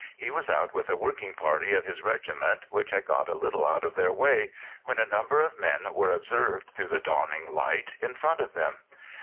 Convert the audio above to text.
He was out with a working party of his regiment, which had got a little out of their way, when a number of men were observed through the dawning light in front of them.